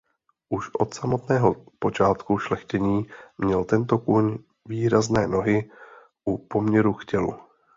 Už od samotného počátku šlechtění měl tento kůň výrazné nohy u poměru k tělu.